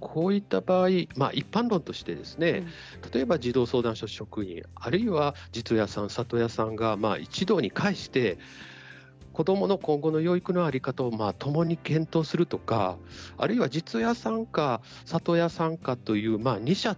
こういった場合、一般論として例えば児童相談所職員あるいは実親さん、里親さんが一堂に会して子どもの今後の養育の在り方を共に検討するとかあるいは実親さんか里親さんかという二者